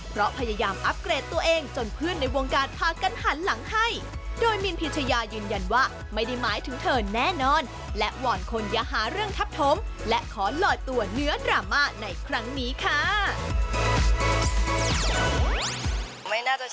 เพราะมินก็ยังไปหาเพื่อนปกติแล้วก็กินข้าวกับเพื่อนเนาะ